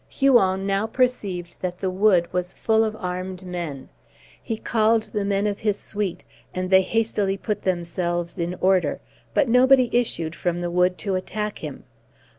Huon now perceived that the wood was full of armed men. He called the men of his suite, and they hastily put themselves in order, but nobody issued from the wood to attack him.